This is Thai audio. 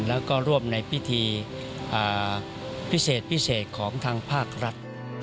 แล้วก็ร่วมในพิธีพิเศษพิเศษของทางภาครัฐ